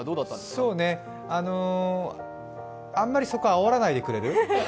そうね、あんまりそこ、あおらないでくれる？